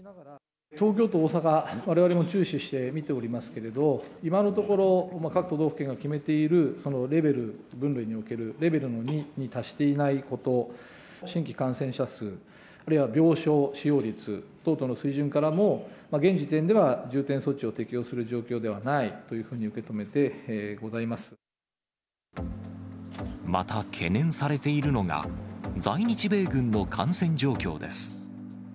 東京と大阪、われわれも注視して見ておりますけれど、今のところ、各都道府県が決めているレベル、分類におけるレベルの２に達していないこと、新規感染者数あるいは病床使用率等々の水準からも、現時点では重点措置を適用する状況ではないというふうに受け止めまた懸念されているのが、在日米軍の感染状況です。